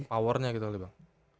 powernya gitu kali bang